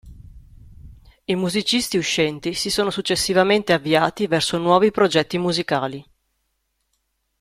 I musicisti uscenti si sono successivamente avviati verso nuovi progetti musicali.